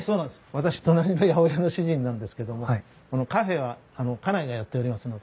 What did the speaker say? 私隣の八百屋の主人なんですけどもこのカフェは家内がやっておりますので。